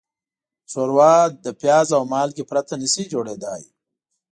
ښوروا له پیاز او مالګې پرته نهشي جوړېدای.